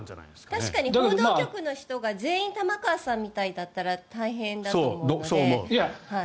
確かに報道局の人が全員玉川さんみたいだったら大変だと思うので。